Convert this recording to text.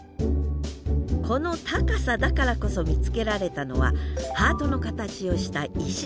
この高さだからこそ見つけられたのはハートの形をした石。